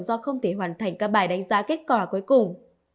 do không thể hoàn thành các bài đánh giá kết quả cuối cùng